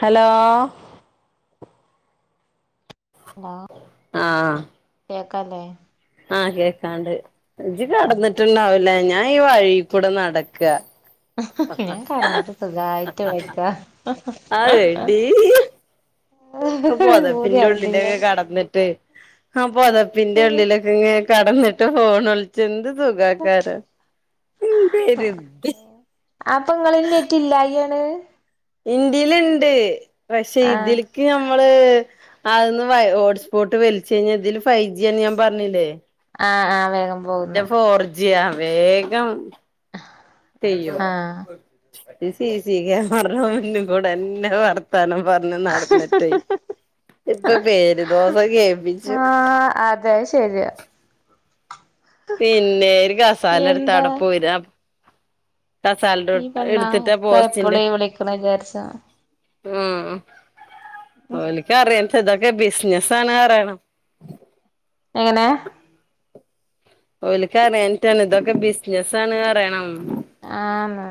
Hello ആഹ് ആഹ് കേക്കാല്ലെ ആഹ് കേക്കാണ്ട്. ഇജ്ജ് പറ കടന്നിട്ടുണ്ടാവുലെ ഞാൻ ഈ വഴി കൂടെ നടക്ക. ഞാൻ കടന്നിട്ട് സുഖായിട്ട് വിളിക്കാ അഹ് എടി പൊതപ്പിന്റെ ഉള്ളില് പൂതിയാവ്ണ്ടില്ലേ ഒക്കെ കടന്നിട്ട് ആഹ് പൊതപ്പിന്റെ ഉള്ളിലൊക്കെ ഇങ്ങേ കടന്നിട്ട് ഫോൺ ഒൾച്ച്ന്ത് സുഖക്കാരം അപ്പ ഇങ്ങള് നേറ്റി ഇല്ലായാണ്. ഇന്റെല്ണ്ട് പക്ഷെ ആഹ് ഇതിൽ ഇയമ്മള് അന്ന് വൈ ഹോട്ട്സ്പോട്ട് വൽച്ചഴിഞ് ഇതില് ഫൈജന്ന്യ ഞാൻ പർഞ്ഞിലെ ആഹ് ആഹ് വേഗം ഇന്റെ പോകുന്ന് ഫോർജിയാ വേഗം ചെയ്യും ആഹ് ഈ സി സി ക്യാമറ മുന്ന് കൂടെന്നെ വർ താനം പർഞ്ഞ് നടന്നിട്ടെ ഇപ്പൊ പേരുദോസം കേൾപ്പിച്ചും. അത് ശര്യാ പിന്നെ ഒരു കസാലട്ത്ത എന്താ അടപോയ്ര കസാൽന്റുട് ഈ പെണ്ണാ ഇട്ത്തിട്ടാ ഇക്ക പോസ്റ്റിന്റെ എപ്പളും ഈ വിളിക്കണ വിചാരിച്ച ഉം ഓൽക്കറിയത്ത ഇതൊക്കെ ബിസിനസ് ആണ് അറയണം. എങ്ങനെ ഓൽക്ക് അറിയാനിട്ടാണ് ഇതൊക്കെ ബിസിനസ് ആണ് അറയണം. ആഹ് ന്ന്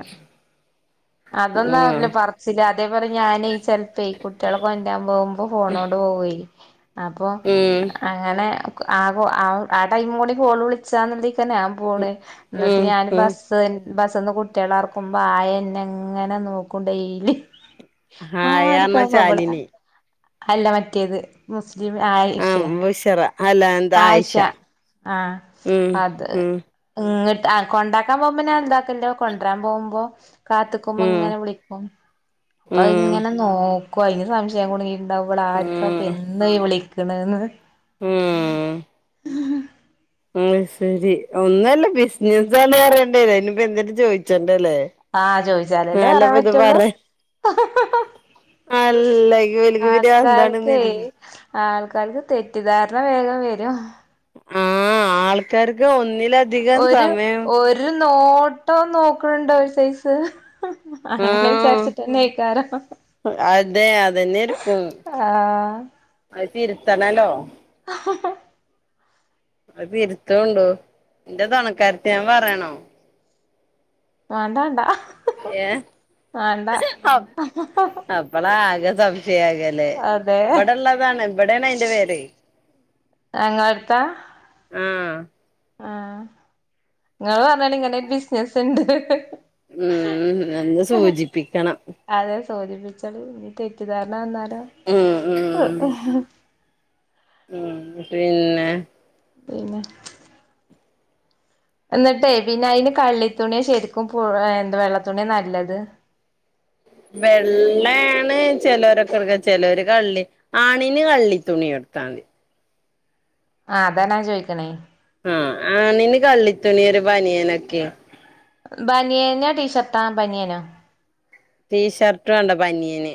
അതൊന്നും ഉം ആവൂല പർച്ചില് അതേ പോലെ ഞാനെ ചെൽപ്പെ കുട്ടിയളെ കൊണ്ടരാൻ പോകുമ്പോ ഫോണോട് പോവെയ് അപ്പം ഉം അങ്ങനെ ആവോ ആവ് ആ ടൈമും കൂടി കോള് വിളിച്ചാന്ന്ണ്ടേയ്തന്നെ അ പോണ് ഇന്നട്ട് ഉം ഞാൻ ഉം ബസ്സ് ബസ്സ്ന്ന് കുട്ട്യേളെ അർക്കുമ്പോ ആയന്നെങ് ഇങ്ങനെ നോക്കും ഡയ്ലി. ഹായ ആര്ക്ക പറഞ്ഞ പ്പ വള് ശാലിനി അല്ല മറ്റേത് മുസ്ലിം ആ ആയിഷെ ബുഷറ അല്ല എന്താ ആയിഷ ആഹ് ഉം അത് ഉം ഇങ്ങട്ട് ആഹ് കൊണ്ടാക്കാൻ പോവുമ്പോ ഞാൻ എന്താക്കന്റൊ കൊണ്ടരാൻ പോവുമ്പോ കാത്ത്ക്കുമ്പോ ഉം ഇങ്ങനെ വിളി അപ്പ അ ഉം ഇങ്ങനെ നോക്കു അയിന് സംശയം കുടുങ്ങി ണ്ടാവും ഇവള ആര്ക്ക ഉം ഇപ്പെന്നും ഈ വിളിക്ക്ണെന്ന്. ഉം ആ ഉം സെരി ഒന്നല്ല ബിസിനസ് ആണ് അറിയണ്ടേരും. അയിന്പ്പം എന്തേലും ചോയിച്ചണ്ടലേ. ആഹ് ചോയിച്ചാലല്ലേ പറയാൻ പറ്റുള്ളൂ. അല്ലെങ്കി ഇവൽക്ക് പിരാന്താണെന്ന് ആൾക്കാര്ക്കെ കരുതി ആൾക്കാർക്ക് തെറ്റിദ്ധാരണ വേഗം വരും. ഉം ആൾക്കാർക്ക് ഒന്നിലധികം ഒരു സമയം ഒരു നോട്ടോ നോക്കണ് ണ്ട് ഒരു സൈസ് അങ്ങനെ ആഹ് വിചാരിച്ചിട്ട്ന്നെ നയിക്കാറോ അതെ അതന്നെക്കും ആഹ് അത് തിരുത്തണല്ലോ [unintelligible] അത് തിരുത്ത ഉണ്ടു എന്റെ തുണകാർതി ആണു എന്ന് പറയണോ വേണ്ട വണ്ടാ ഏ ഇപ്പളാ ആകെ സംശയാകല്ലേ അതെ ഇവിടെള്ളതാണ് ഇവിടെയാണ് അയിന്റെ പേര് എങ്ങൻത്ത ആഹ് ആഹ് നിങ്ങള് പറഞ്ഞല് ഇങ്ങനെ ബിസിനസ് ഉണ്ട് ഉം ഒന്ന് സൂചിപ്പിക്കണം അതെ സുചിപിച്ചേ ഇനി തെറ്റിദ്ധാരണ വന്നാലോ ഉം ഉം ഉം പി പിന്നെ എന്നിട്ടേ പിന്നെ അതിന് കള്ളി തുണിയൊ ശരിക്കും പു എന്താ വെള്ള തുണിയോ നല്ലത് വെള്ളയാണ് ചിലരൊക്കെ എട്ക്ക് ചിലൊരു കള്ളി ആണിന് കള്ളി തുണി എടുത്താതി ആഹ് അതാ ഞാൻ ചോദിക്കണേ ആഹ് ആണിന് കള്ളിത്തുണിയും ഒരു ബനിയേനൊക്കെ ബനിയേനോ ടീഷർട്ടാ ബനിയേനോ ടീഷർട്ട് വേണ്ട ബനീയന്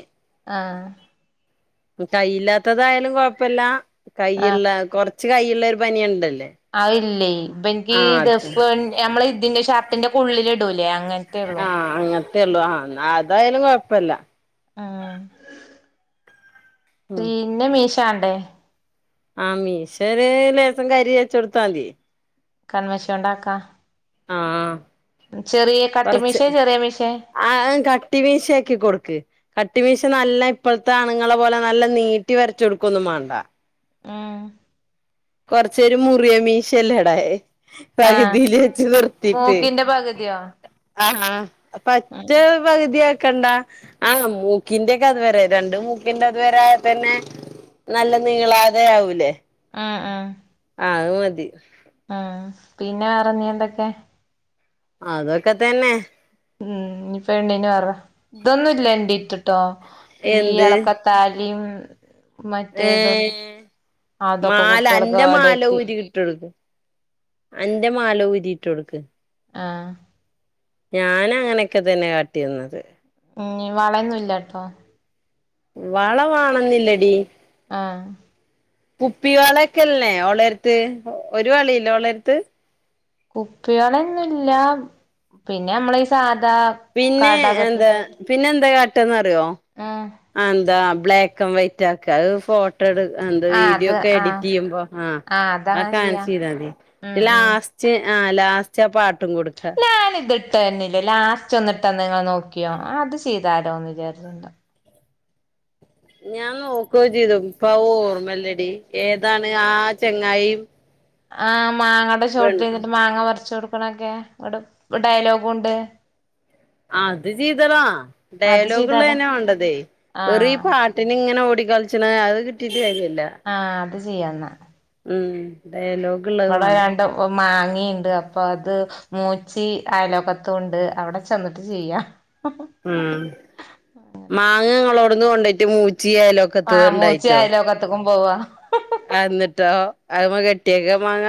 ആഹ് കൈയില്ലാത്തതായാലും കൊഴപ്പില്ല ആഹ് കൊറച്ച് കൈഉളള ഒരു ബനിയനുണ്ടേലോ അഇല്ലേ ഇബൻക്കീ ദഫ് നമ്മള് ഇതിന്റെ ഷർട്ടിന്റെക്കെ ഉള്ളില്ടൂലേ അങ്ങൻത്തേ ഉള്ളു ആഹ് അങ്ങനെ അതെല്ലു ആഹ് അതായാലും കുഴപ്പമില്ല അഹ് ഉം പ്പിന്നെ മീഷണ്ടേ ആഹ് മീഷര് ലേസം കരി വെച് കൊടുത്താതി കന്മഷി കൊണ്ട് ആകാം ആഹ് ചെറിയ കട്ടി മീശ കൊറച്ച് ചെറിയ മീശേ ആഹ് കട്ടി മീശയാക്കി കൊടുക്ക് കട്ടിമീശ നല്ല ഇപ്പോഴത്തെ അണുങ്ങളെ പോലെ നല്ല നീട്ടി വരച് കൊടുക്കൊന്നും മാണ്ട ആഹ് കൊറച്ചേര് മുറിയ മീശല്ലട ആഹ് പകുതീല് വെച് നിർത്തിട്ട് മൂക്കിന്റെ പകുതിയോ ആഹ് ആഹ് പറ്റ പകുതിയാക്കണ്ട ആഹ് മൂക്കിന്റെ ഒക്കെ അതുവരെ രണ്ട് മൂക്കിന്റെ അതുവരെ ആയാതന്നെ നല്ല നീളാതെ ആവൂലേ ആഹ് ആഹ് ആഹ് അത് മതി അഹ് പിന്നെ വെറെനി എന്തൊക്കെ അതൊക്കെ തന്നെ ഉം ഇനിപ്പോ പെണ്ണീന് പറ ഇതൊന്നും ഇല്ല എണ്ടീട്ടോ ഈ എന്ത് ഇളക്ക താലീം മറ്റേതൊന്നും ഏഹ് അതൊക്കെ കുട്ടികൾ കേടെര്ത്തി ഉം അന്റെ മാലാ ഒരി ഇട്ട് കൊടുക്ക് ആഹ് ഞാൻ അങ്ങനെയൊക്കെ തന്നെ കാട്ടിരുന്നത് ഉം വളയൊന്നുംല്ല കേട്ടോ വള വാണെന്നില്ലടി ആഹ് കുപ്പി വളൊക്കെല്ലേ ഓളെടത് ഒരു വളയിലെ ഓളെടത് കുപ്പി വളന്നൊല്ല പിന്നെ നമ്മള ഈ സാധാ പിന്നെ എന്താ കാടാകത്തിന്റെ പിന്നെ എന്താ കാട്ടാന്നറിയോ ആഹ് അഹ് എന്താ ബ്ലാക്കൻവൈറ്റാക്ക അഹ് ഫോ അഹ് എന്ത ആഹ് അത് വീഡിയോക്കെ ആഹ് എഡിറ്റ്യ്യുമ്പോ ആ ആഹ് അ അതങ്ങനെ ചെയ്യാ കാൻചിയ്താതി ഉം ഉം ലാസ് ച് ആ ലാസ്റ്റ് ആ പാട്ടു കൊടുക്ക ഞാന് ഇത്ട്ട്ന്നിലെ ലാസ്റ്റ് ഒന്നിട്ടന്ന ഇങ്ങൾ നോക്കിയോ അത് ചെയ്താലോന്ന് വിചാരിച്ചിണ്ട് ഞാൻ നോക്കൊകെ ചിയ്തു ഇപ്പ അഹ് ഓർമ്മല്ലടി ഏതാണ് ആ ചെങ്ങായി ആഹ് മാങ്ങടെ ചോട്ടിൽനിട്ട് മാങ്ങ പറിച്ചൊട്ക്കണൊക്കെ ടെ ഡയലോഗും ഉണ്ട് അത് ചെയ്തളാ അത് ചെയ്താലോ ഡയലോഗുള്ളന്നെ വേണ്ടത് ആ വെറൂ അത് ഈപാട്ട് ന്നിങ്ങനെ ഓടിക്കളിച്ണത് അഹ് കിട്ടീട്ട്കാര്യല്ല ആഹ് അത് ചെയ്യന്നാ ഉം ഡയലോക് ഇവടെ രണ്ട് മാങ്ങീണ്ട് അപ്പൊഅത് മൂച്ചി അയലോകത്തൂണ്ട് അവ്ടെ ചെന്നിട്ട്ചെയ്യ ഉം മാങ്ങ ങ്ങളോട്ന്ന് കൊണ്ടൈറ്റ് മൂച്ചിയലേ ആഹ് മൂച്ചിഅയലോക്കത്ത്ക്കും പോവാ അന്നിട്ടോ അഹ്മ കെട്ടിയേക്ക മാങ്ങ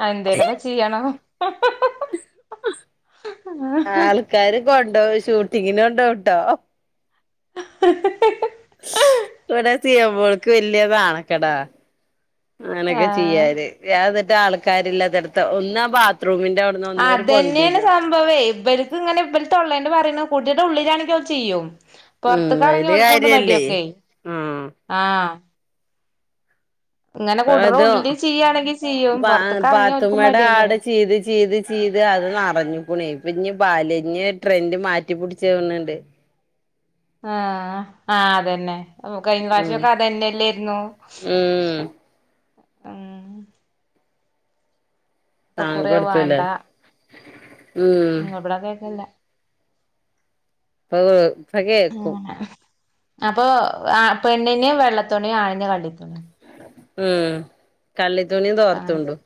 ആ എന്തേലൊകെ ചിയ്യണം ആൾക്കാര് കൊണ്ടോവു ഷൂട്ടിങ്ങിന്ണ്ടോവുട്ടോ ശ് ഇവിടെ സിയമോൾക്ക് വെല്യ നാണക്കെടാ ആ അങ്ങനൊക്കെ ചെയ്യാന് ഞാന്നിട്ട് ആൾക്കാരില്ലാത്തിടത്ത് ഒന്നാ ബാത്റൂമിന്റെ അവ് ന്ന് ഒന്നൊര് അതന്നെയാണ് പൊന്തിന്ന് സംഭവേ ഇവര്ക്ക് ഇങ്ങനെ ഇവലത്തൊള്ളോണ്ട് പറയുണത് കുടിടെ ഉള്ളിലാണെങ്കി ഓൽ ചെയ്യും ഉം പൊർത്ത്കറങ്ങിയാ അയില് ഓൽക്കൂണ്ട് കാര്യല്ലേ മടിയൊക്കെ ആഹ് ആഹ് അപ്പ കുടറ് ഉള്ളിൽ ചെയ്യാണെങ്കി ചെയ്യും പൊറത്ത്ക്ക് അത് എറങ്ങിയ ഓൽക്കും പാത്തുമമടെ ആട് മടിയന്നെയാണ് ചീത് ചീത് ചീത് അത് നറഞ്ഞുക്കുണേ ഇപ്പ ഇഞ് ബാല്ഞ് ട്രെൻന്റ് മാറ്റി പിടിച്ചാതോനിണ്ട് ആഹ് ആഹ് അതന്നെ അപ്പൊ ഉം കഴിഞ്ഞറാശ്യൊക്കെ അതന്നെല്ലേര്ന്നു ഉം ഇപ്പൊ താങ് കുറേവാണ്ട കൊടുത്തൂലേ ഉം പിട കേക്കല്ല ഇപ്പ ഇപ്പ കേക്കും അങ്ങനെ അപ്പൊ പെണ്ണിന് വെള്ളത്തുണി ആണിന് കള്ളിത്തുണി ഉം കള്ളിതുണിം അപ്പൊ തോർത്തുണ്ടും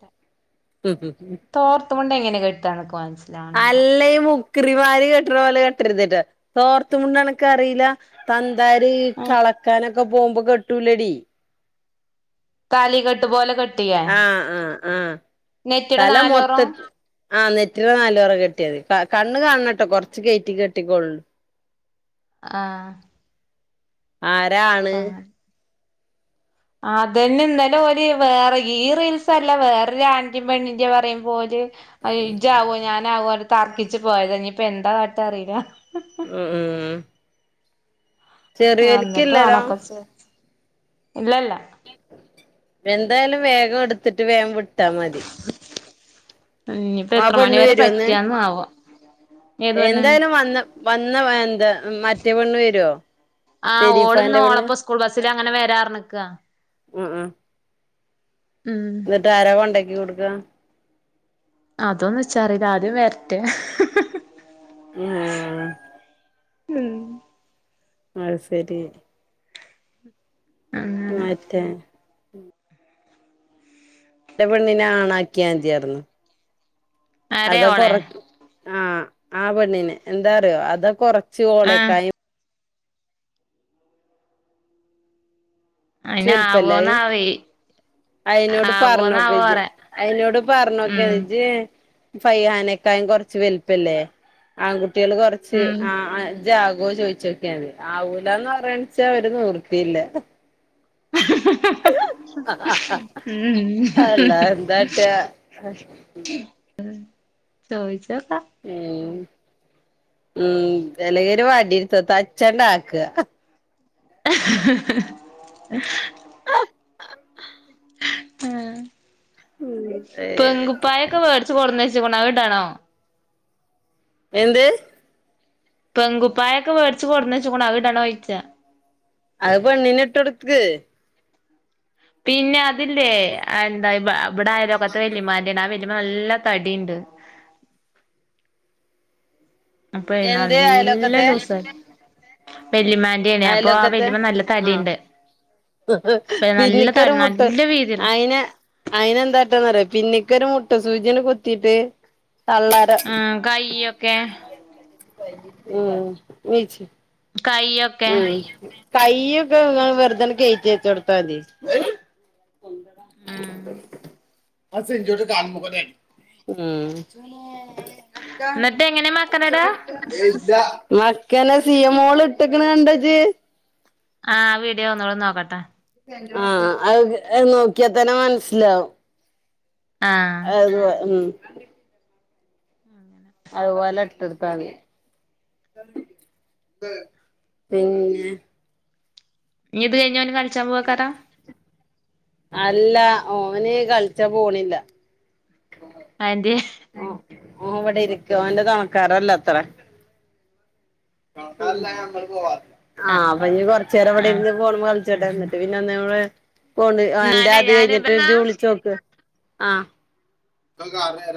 തോർത്ത്മുണ്ടെങ്ങനെ കെട്ടാന്ക്മൻസി അല്ല ഈ മുക്കൃരിമാര് കെട്ട്ണ പോലെ കെട്ടരുതിട്ടോ തോർത്ത് മുണ്ടനക്കറീലാ തന്താര് കളക്കാനൊക്കെ പോമ്പൊ കെട്ടൂലടി തലീകെട്ട്പോലെകെട്ട് ആഹ് ആഹ് ആഹ് നെറ്റിയുടെ തല മൊത്ത നാലോറം ആ നെറ്റിടെ നാലോറം കെട്ടിയാതി കണ്ണ് കാണണട്ടോ കൊറച്ച് കേറ്റി കെട്ടിക്കൊൾ ആഹ് ആരാണ് അപ്പ അങ്ങനെ അതന്നെ ഇന്നാലെ ഓല് വേറെ ഈ റീൽസ്ല്ല വേറൊരു ആണിൻറ്റിം പെണ്ണിന്റെ പറയുമ്പോല് ഇജാവോ ഞാനാവോ തർക്കിച്ച് പോയത ഇനിപ്പ എന്താ കാട്ടാനറീല ഉ ഉം വന്നിട്ട് വാണം ചെറിയോൽക്കില്ലല്ലോ ഒക്കെചെ ഇല്ലല്ല എന്തായാലും വേഗം ഇട്ത്തിട്ട് വേം വിട്ടാ മതി ഉം ഇഞ്ഞിപ്പോ ആ എത്ര പെണ്ണ് മണിവരെ വരുവോന്ന് പറ്റാന്നാവൊ എന്തായാലും വന്ന് വന്ന എന്താ മറ്റേപെണ്ണ് വരോ ആഹ് ഓള്ന്ന് ഓളൊപ്പോ സ്കൂൾ ബസ്സിലങ്ങനെ വരാർനിക്കാ ഉ ഉം ഉം എന്നിട്ട് ആരാ കൊണ്ടാക്കി കൊടുക്കുക അതൊന്ന് ച്ചാറിയില്ല ആദ്യം വരട്ടെ ഉം അത് ശെരി ആ മറ്റേ എൻ്റെ പെണ്ണിനെ ആണാക്കിയാ മതിയായിരുന്നു ആരെ അത് കൊറ ഓളെ ഉം ആ ആ പെണ്ണിനെ എന്താറിയോ അത് കൊറച്ച് ആഹ് ഓളെക്കായ് കൊറച്ച് അയിന് വലുപ്പല്ലേ അത് ആവോന്നാവെ അയിനോട് പറഞ്ഞോക്ക് പറയാ അയിനോട് പറഞ്ഞോക്ക് ഉം ഇജ്ജ് ഫൈഹനെകായും കൊറച്ച് വലിപ്പല്ലേ ആൺകുട്ടികള് കൊറച്ച് ഉം ആ അ ഇജ്ജ് ആവോ ചോദിച്ചോക്കിയാതി ആവൂലന്ന് പറയാന്നെച്ചാ ഒരു നിവർത്തിയില്ല ഉം [unintelligible] അല്ല എന്താകാട്ടാ ഉം ചോദിച്ചോക്കാം ഉം ഉം ചെലെര് വടിടുത് ത്ത്ച്ഛണ്ടാക്ക [inaudible] ആഹ ഉം ഏജ തൊറന്ന്ച്ച് അത് ഇടണോ എന്ത് പെൺകുപ്പായൊക്കെ മേടച്ച് കൊണ്ടന്ന് വച്ചോകുന്നു അത് ഇടണോ ചോയിച്ച അത് പെണ്ണിനിട്ട് കൊടുക്ക് പിന്നെ അതില്ലേ അ് എന്താ ഇപ ഇവിടെ ആയിലോകത്ത് വെല്യമാൻ്റെ ആ വല്യമാ നല്ല തടിയുണ്ട് അപ്പ എന്ത് നല്ല അയലൊക്കത്തെ ലൂസാ വല്യമ്മ ന്റെ അപ്പൊ ആ അയലൊക്കത്തെ വല്യമ്മ നല്ല തടിയുണ്ട് ആഹ് ഇപ് നല്ല തടി നല്ല വീതിയുള്ള യിന്ന് അയിന് എന്താട്ടാന്നറിയോ പിന്നിക്കന് ഒരു മെട്ടു സൂചിയന്ന് കുത്തിയിട്ട് അന്നേരം ഉം കയ്യൊക്കെ ഉം വിച്ച് കൈയോ ഉം കൈയ്യൊക്കെ നിങ്ങള് വെറുതെന്ന് കേറ്റി വച്ച് കൊടുത്താതി ഉം ഉണ്ടട ആ സികർട്ട് കാൺമഖനെ ഉം എന്നിട്ട് എങ്ങനെ മക്കനെടാ ഏ ഇല്ല മക്കനെ സി മോള് ഇട്ടക്കണ കണ്ട്ജ് ആഹ് വീഡിയോ ഒന്നും കുടെ നോക്കട്ടെ ആഹ് അത് നോക്കിയാ തന്നെ മനസ്സിലാവും ആഹ് അത് ഉം അങ്ങനെ അത് പോലെ ഇട്ട് കെടുത്താതി പിന്നെ ഇനി ഇത് കഴിഞ്ഞ ഓനെ [inaudible] അല്ല ഓന് കളിച്ചാ പോണില്ല ആൻറ്റിയെ ആ ഓൻ ഇവടെ ഇരിക്ക ഓന്റെ തോണക്കാരല്ലത്രേ ആഹ് അഹ് അവന് കൊറ ച്ച് നേരം ആഹ് ഇപടെയിരുന്ന് ഫോൺകളിച്ചോട്ടെ എന്നിട്ട് പിന്നെ ഒന്ന് പോണ്ട് എന്റെ എന്നാലേ അത് ഞാന് കഴിഞ്ഞിട്ട് ഇബന്നാ ഇജ്ജ് വിളിച്ച് നോക്ക് ആഹ്